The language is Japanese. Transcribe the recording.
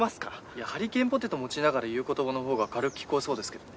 いやハリケーンポテト持ちながら言う言葉のほうが軽く聞こえそうですけど。